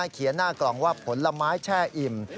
หน้ากล่องว่าผลไม้แช่อิ่ม